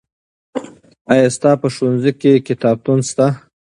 آیا ستا په ښوونځي کې کتابتون شته؟